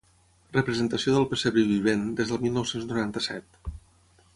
Representació del Pessebre vivent des del mil nou-cents noranta-set.